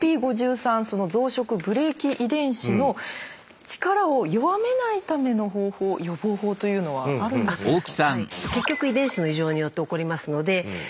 その増殖ブレーキ遺伝子の力を弱めないための方法予防法というのはあるんでしょうか？